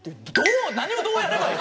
何をどうやればいい？